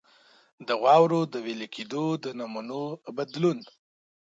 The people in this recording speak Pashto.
د واورو د وېلې کېدو د نمونو بدلون.